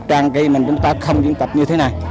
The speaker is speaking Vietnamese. trang khi mình chúng ta không diễn tập như thế này